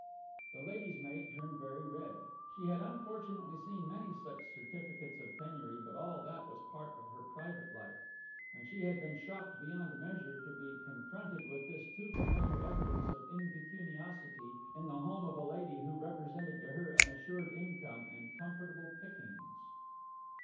The lady's maid turned very red. She had unfortunately seen many such certificates of penury, but all that was part of her private life, and she had been shocked beyond measure to be confronted with this too familiar evidence of impecuniosity in the home of a lady who represented to her an assured income and comfortable pickings.